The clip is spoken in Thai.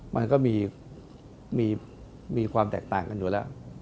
มันก็มีความแตกต่างกันอยู่แล้ว